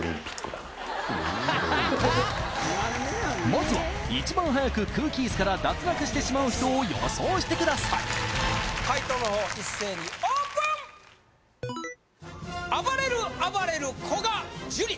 まずは一番早く空気椅子から脱落してしまう人を予想してください解答の方一斉にオープンあばれるあばれる古閑樹